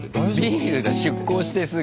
ビールだ出港してすぐ。